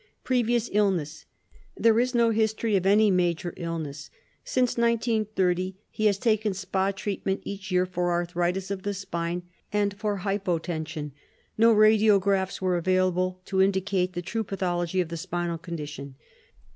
Previous Illness: There is no history of any major illness. Since 1930, he has taken spa treatment each year for arthritis of the spine and for hypotension. No radiographs were available to indicate the true pathology of the spinal condition.